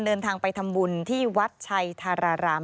เดินทางไปทำบุญที่วัดชัยธาราราม